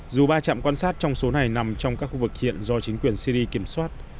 dù ba trạm quan sát trong số này nằm trong các khu vực hiện do chính quyền syri kiểm soát